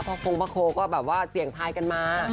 คงพระโคก็แบบว่าเสี่ยงทายกันมา